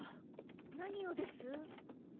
何をです？